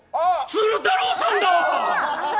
鶴太郎さんだ！